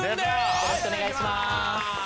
よろしくお願いします。